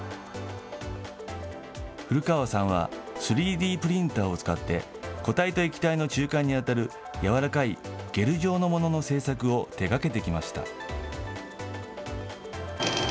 古川さんは３Ｄプリンターを使って、固体と液体の中間に当たるやわらかいゲル状のものの製作を手がけてきました。